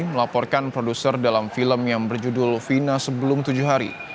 melaporkan produser dalam film yang berjudul fina sebelum tujuh hari